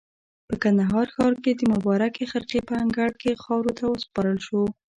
په کندهار ښار کې د مبارکې خرقې په انګړ کې خاورو ته وسپارل شو.